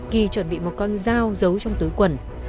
kỳ chuẩn bị một con dao giấu trong túi quần